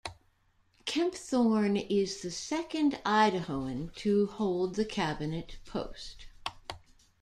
Kempthorne is the second Idahoan to hold the Cabinet post.